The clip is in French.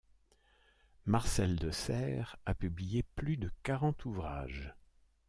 Marcel de Serres a publié plus de quarante ouvrages.